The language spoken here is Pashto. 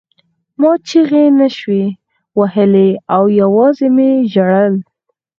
ما چیغې نشوې وهلی او یوازې مې ژړل